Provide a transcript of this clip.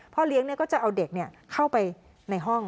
พ่อเลี้ยงเนี่ยก็จะเอาเด็กเนี่ยเข้าไปในห้อง